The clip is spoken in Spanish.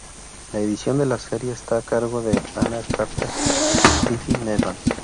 La edición de la serie está a cargo de Anne Carter y Stephen Evans.